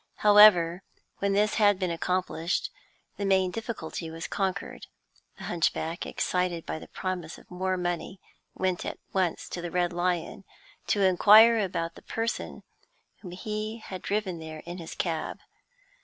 However, when this had been accomplished, the main difficulty was conquered. The hunchback, excited by the promise of more money, went at once to the Red Lion to inquire about the person whom he had driven there in his cab.